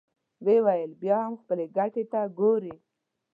ويې ويل: بيا هم خپلې ګټې ته ګورې!